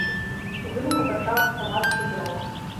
У выніку пачаў псавацца зрок.